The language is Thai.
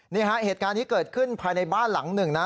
นี่ฮะเหตุการณ์นี้เกิดขึ้นภายในบ้านหลังหนึ่งนะ